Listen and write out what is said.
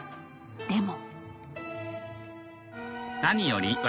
［でも］